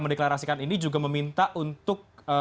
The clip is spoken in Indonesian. mendeklarasikan ini juga meminta untuk